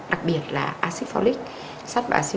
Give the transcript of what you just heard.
đặc biệt là acid folic